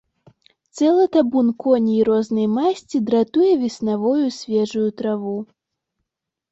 Цэлы табун коней рознай масці дратуе веснавую свежую траву.